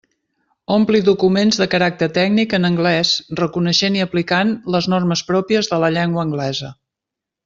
Ompli documents de caràcter tècnic en anglés reconeixent i aplicant les normes pròpies de la llengua anglesa.